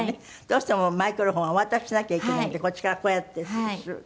どうしてもマイクロフォンをお渡ししなきゃいけないんでこっちからこうやってする。